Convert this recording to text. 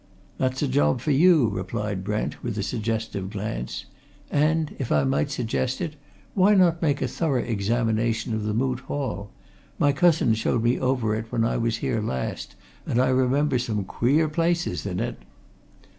"That's a job for you," replied Brent, with a suggestive glance. "And, if I might suggest it, why not make a thorough examination of the Moot Hall? My cousin showed me over it when I was here last, and I remember some queer places in it."